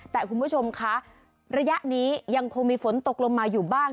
แต่คุณผู้ชมคะระยะนี้ยังคงมีฝนตกลงมาอยู่บ้าง